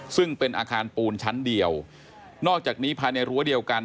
ซึ่งเป็นอาคารปูนชั้นเดียวนอกจากนี้ภายในรั้วเดียวกัน